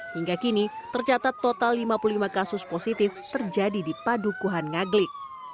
hingga kini tercatat total lima puluh lima kasus positif terjadi di padukuhan ngaglik